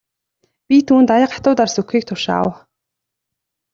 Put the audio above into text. Би түүнд аяга хатуу дарс өгөхийг тушаав.